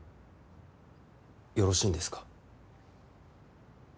よろしいんですか？